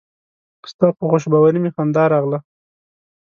ستا په خوشباوري مې خندا راغله.